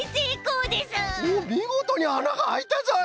おみごとにあながあいたぞい！